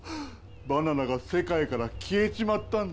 バナナが世界から消えちまったんだよ。